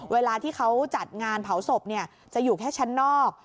เวลาที่เขาจัดงานเผาศพจะอยู่แค่ชั้นนอก